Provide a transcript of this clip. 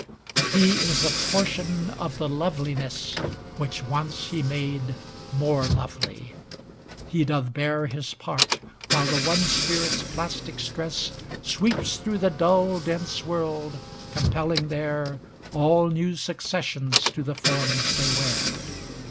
XLIII He is a portion of the loveliness Which once he made more lovely; he doth bear His part, while the one Spirit's plastic stress Sweeps through the dull dense world, compelling there All new successions to the forms they wear.